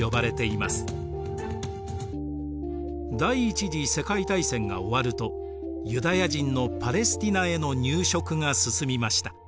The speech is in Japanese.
第一次世界大戦が終わるとユダヤ人のパレスティナへの入植が進みました。